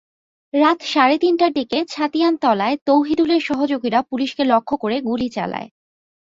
রাত সাড়ে তিনটার দিকে ছাতিয়ানতলায় তৌহিদুলের সহযোগীরা পুলিশকে লক্ষ্য করে গুলি চালায়।